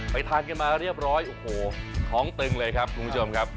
ทานกันมาเรียบร้อยโอ้โหท้องตึงเลยครับคุณผู้ชมครับ